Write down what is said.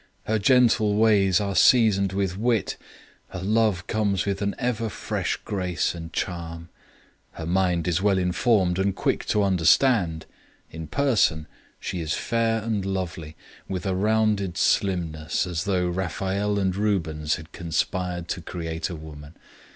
Her gentle ways are seasoned with wit, her love comes with an ever fresh grace and charm; her mind is well informed and quick to understand; in person, she is fair and lovely, with a rounded slimness, as though Raphael and Rubens had conspired to create a woman!